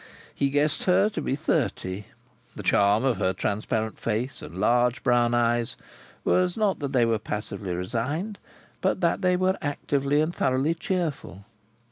He guessed her to be thirty. The charm of her transparent face and large bright brown eyes, was, not that they were passively resigned, but that they were actively and thoroughly cheerful.